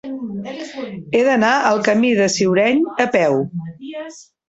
He d'anar al camí del Ciureny a peu.